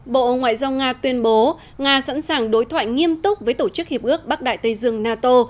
bộ ngoại giao nga tuyên bố nga sẵn sàng đối thoại nghiêm túc với tổ chức hiệp ước bắc đại tây dương nato